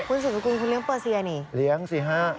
คุณสุรกุลคุณเลี้ยงเปอร์เซียนี่